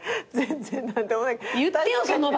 言ってよその場で。